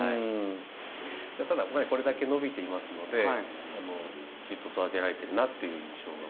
ただこれだけ伸びていますのできちっと育てられてるなっていう印象が。